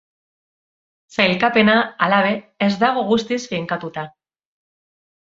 Sailkapena, hala ere, ez dago guztiz finkatuta.